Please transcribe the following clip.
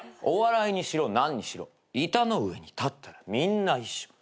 お笑いにしろ何にしろ板の上に立ったらみんな一緒。